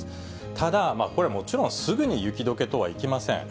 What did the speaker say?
ただ、これはもちろん、すぐに雪どけとはいきません。